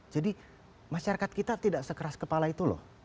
jadi masyarakat kita tidak sekeras kepala itu loh